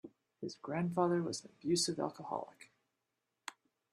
His grandfather was an abusive alcoholic.